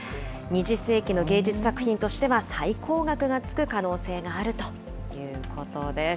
２０世紀の芸術作品としては、最高額がつく可能性があるということです。